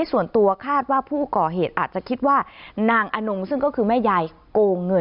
ส่วนตัวคาดว่าผู้ก่อเหตุอาจจะคิดว่านางอนงซึ่งก็คือแม่ยายโกงเงิน